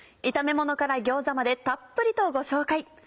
炒めものから餃子までたっぷりとご紹介。